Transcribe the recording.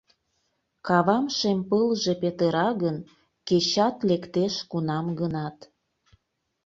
Кавам шем пылже петыра гын, Кечат лектеш кунам-гынат.